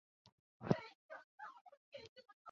在不同地区涵义亦有差异。